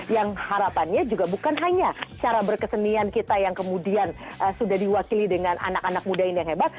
yang harapannya juga bukan hanya cara berkesenian kita yang kemudian sudah diwakili dengan anak anak muda ini yang hebat